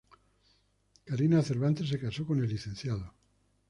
Karina Cervantes se casó con el Lic.